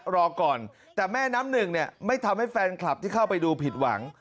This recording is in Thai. รอก่อนแต่แม่น้ำหนึ่งเนี่ยไม่ทำให้แฟนคลับที่เข้าไปดูผิดหวัง